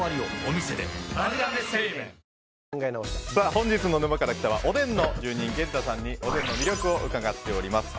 本日の「沼から来た。」はおでん沼の住人源太さんにおでんの魅力を伺っております。